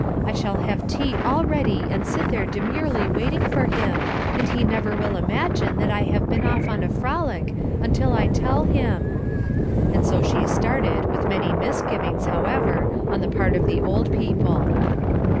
I shall have tea all ready and sit there demurely waiting for him, and he never will imagine that I have been off on a frolic until I tell him." And so she started, with many misgivings, however, on the part of the old people.